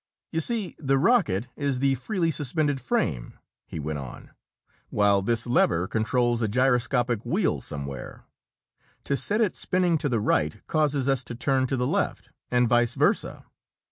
"You see, the rocket is the freely suspended frame," he went on, "while this lever controls a gyroscopic wheel somewhere. To set it spinning to the right causes us to turn to the left, and vice versa."